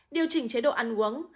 điều chỉnh chế độ ăn uống